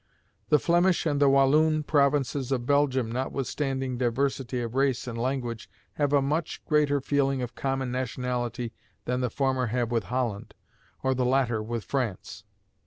The Flemish and the Walloon provinces of Belgium, notwithstanding diversity of race and language, have a much greater feeling of common nationality than the former have with Holland, or the latter with France.